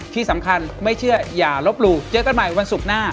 ที่สำคัญไม่เชื่ออย่าลบหลู่เจอกันใหม่วันศุกร์หน้า